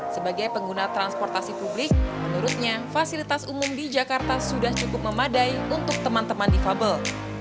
sebagai pengguna transportasi publik menurutnya fasilitas umum di jakarta sudah cukup memadai untuk teman teman difabel